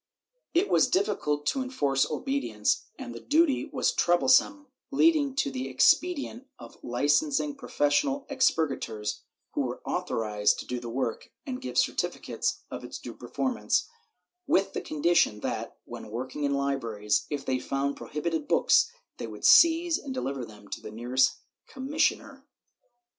It was difficult to enforce obedience and the duty was troublesome, leading to the expedient of hcensing professional expurgators, who were authorized to do the work and give certi ficates of its due performance, with the condition that, when work ing in libraries, if they found prohibited books, they would seize and deliver them to the nearest commissioner.